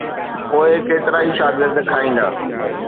پوءِ ڪيترائي شاگرد کائيندا.